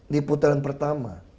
di putaran pertama